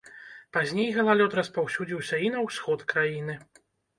Пазней галалёд распаўсюдзіўся і на ўсход краіны.